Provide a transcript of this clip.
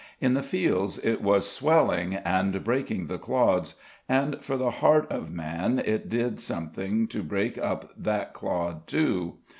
In the fields it was swelling and breaking the clods; and for the heart of man, it did something to break up that clod too.